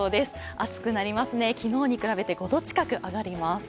暑くなりますね、昨日に比べて５度近く上がります。